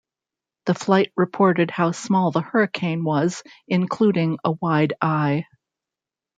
The flight reported how small the hurricane was, including a wide eye.